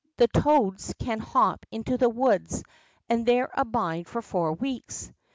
The toads can hop into the woods and there abide for four weeks.